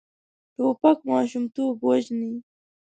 توپک ماشومتوب وژني.